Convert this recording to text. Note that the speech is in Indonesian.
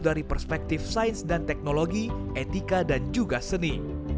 dari perspektif sains dan teknologi etika dan juga seni